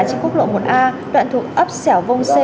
trên quốc lộ một a đoạn thuộc ấp sẻo vông c